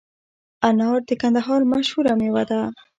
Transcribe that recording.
انار د کندهار مشهوره میوه ده